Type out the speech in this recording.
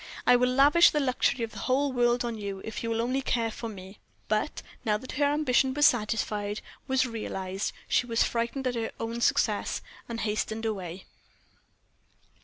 I will lavish the luxury of the whole world on you, if you will only care for me." But now that her ambition was satisfied, was realized, she was frightened at her own success, and hastened away.